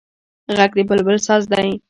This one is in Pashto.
غږ د بلبل ساز دی